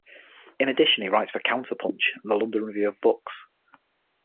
In addition he writes for "CounterPunch" and the "London Review of Books".